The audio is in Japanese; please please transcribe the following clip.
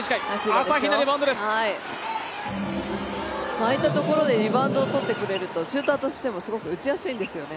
ああいったところでリバウンドを取ってくれると、シューターとしてもすごい打ちやすいんですよね。